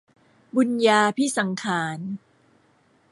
บุญญาภิสังขาร